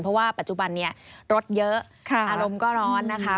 เพราะว่าปัจจุบันนี้รถเยอะอารมณ์ก็ร้อนนะคะ